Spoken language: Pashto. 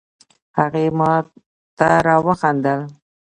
هغې ماته را وخندل